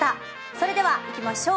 それでは行きましょう。